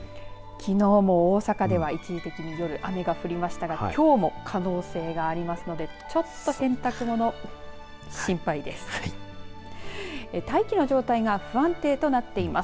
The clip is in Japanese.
きのうも大阪では一時的に夜雨が降りましたが、きょうも可能性がありますので、ちょっと洗濯物、心配です。